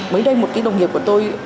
mới đây một cái đồng nghiệp của tôi